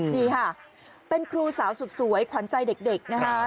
นี่ค่ะเป็นครูสาวสุดสวยขวัญใจเด็กนะคะ